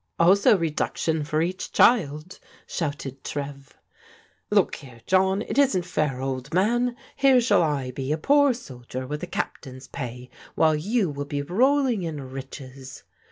Also reduction for each child!" shouted Trev. Look here, John, it isn't fair, old man. Here shall I be a poor soldier, with a Captain's pay, while you will be rolling in riches."